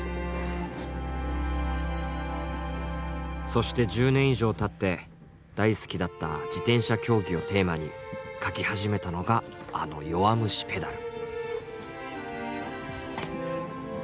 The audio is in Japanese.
そして１０年以上たって大好きだった自転車競技をテーマに描き始めたのがあの「弱虫ペダル」。